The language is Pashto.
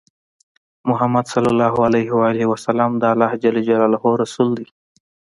محمد صلی الله عليه وسلم د الله جل جلاله رسول دی۔